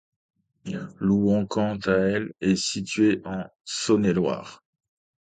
Louhans quant à elle, est située en Saône-et-Loire.